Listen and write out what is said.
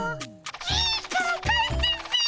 いいから帰ってっピ。